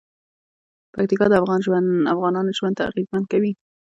پکتیکا د افغانانو ژوند اغېزمن کوي.